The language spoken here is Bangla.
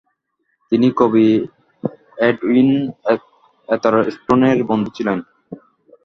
তিনি কবি এডউইন অ্যাথারস্টোন এর বন্ধু ছিলেন।